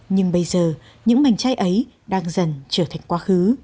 nhưng bây giờ những mảnh chai ấy đang dần trở thành quá khứ